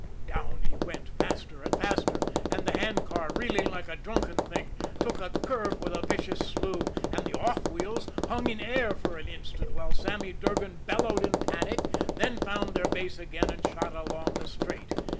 Down he went, faster and faster, and the handcar, reeling like a drunken thing, took a curve with a vicious slew, and the off wheels hung in air for an instant while Sammy Durgan bellowed in panic, then found their base again and shot along the straight.